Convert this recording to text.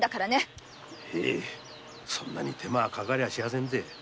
へいそんなに手間はかかりゃしません。